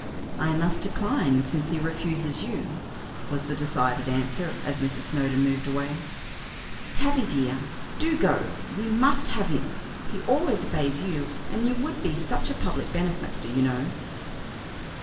"I must decline, since he refuses you" was the decided answer, as Mrs. Snowdon moved away. "Tavie, dear, do go; we must have him; he always obeys you, and you would be such a public benefactor, you know."